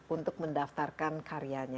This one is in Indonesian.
untuk mendaftarkan karyanya